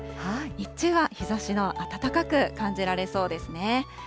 日中は日ざしが暖かく感じられそうですね。